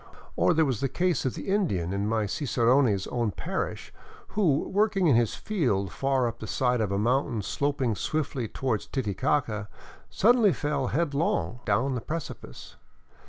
Or there was the case of the Indian in my cicerone's own parish who, working in his field far up the side of a mountain sloping swiftly toward Titicaca, suddenly fell headlong down the precipice.